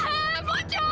iya aku juga